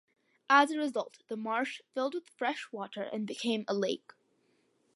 As a result, the marsh filled with fresh water and became a lake.